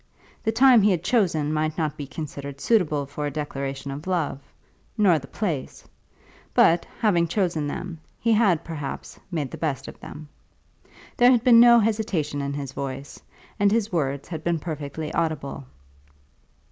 The time he had chosen might not be considered suitable for a declaration of love, nor the place; but having chosen them, he had, perhaps, made the best of them. There had been no hesitation in his voice, and his words had been perfectly audible.